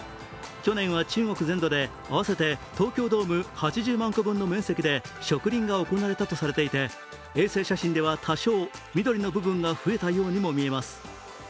去年は中国全土で合わせて東京ドーム８０万個分の面積で植林が行われたとされていて、衛星写真では多少、緑の部分が増えたようにも見えます。